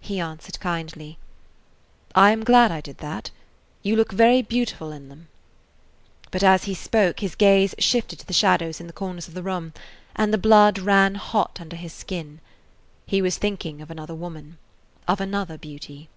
He answered kindly: "I am glad I did that. You look very beautiful in them." But as he spoke his gaze shifted to the shadows in the corners of the room, and the blood ran hot under his skin. He was thinking of another woman, of another beauty.